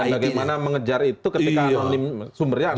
dan bagaimana mengejar itu ketika sumbernya anonim